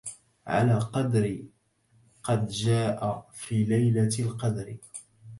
على قدر قد جاء في ليلة القدر